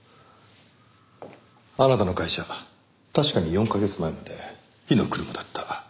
あなたの会社確かに４カ月前まで火の車だった。